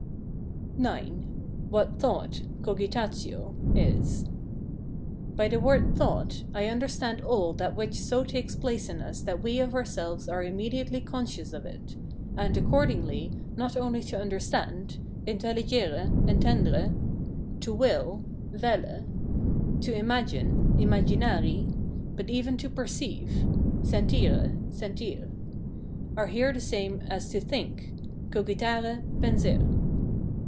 IX. What thought (COGITATIO) is. By the word thought, I understand all that which so takes place in us that we of ourselves are immediately conscious of it; and, accordingly, not only to understand (INTELLIGERE, ENTENDRE), to will (VELLE), to imagine (IMAGINARI), but even to perceive (SENTIRE, SENTIR), are here the same as to think (COGITARE, PENSER).